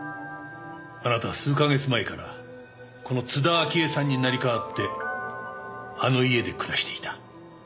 あなたは数か月前からこの津田明江さんに成り代わってあの家で暮らしていた。